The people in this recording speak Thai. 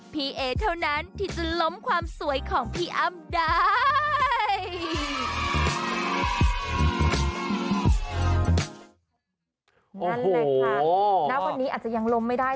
เอเท่านั้นที่จะล้มความสวยของพี่อ้ำได้